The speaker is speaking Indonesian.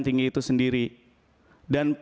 tinggi itu sendiri dan